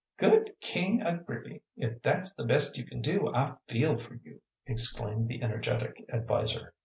"Good King Agrippy! if that's the best you can do, I feel for you," exclaimed the energetic adviser.